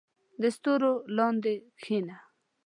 • د ستورو لاندې کښېنه.